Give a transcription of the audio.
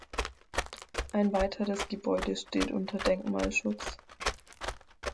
Ein weiteres Gebäude steht unter Denkmalschutz.